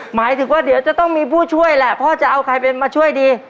หมายถึงว่าเดี๋ยวจะต้องมีผู้ช่วยแหละพ่อจะเอาใครเป็นมาช่วยดี